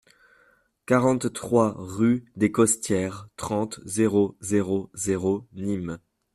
quarante-trois rue des Costières, trente, zéro zéro zéro, Nîmes